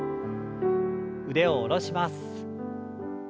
腕を下ろします。